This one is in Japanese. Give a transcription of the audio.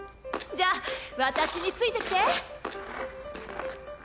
じゃあ私についてきて！